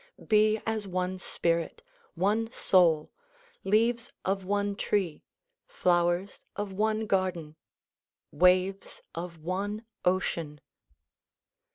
Be as one spirit, one soul, leaves of one tree, flowers of one garden, waves of one ocean.